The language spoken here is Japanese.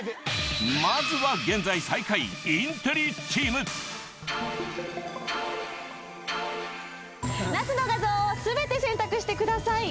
まずは現在最下位ナスの画像を全て選択してください。